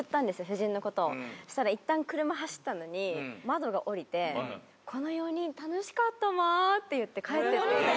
夫人のことをそしたらいったん車走ったのに窓が下りて「この４人楽しかったわ」って言って帰っていった。